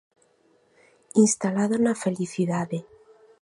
Instalado na felicidade.